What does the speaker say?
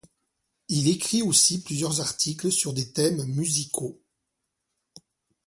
Il écrit aussi plusieurs articles sur des thèmes musicaux.